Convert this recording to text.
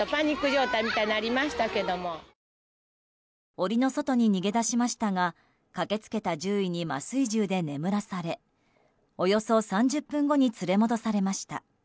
檻の外に逃げ出しましたが駆け付けた獣医に麻酔銃で眠らされおよそ３０分後に連れ戻されました。